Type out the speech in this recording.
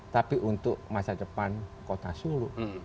tapi untuk masa depan kota solo